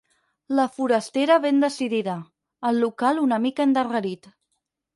La forastera, ben decidida; el local, una mica endarrerit.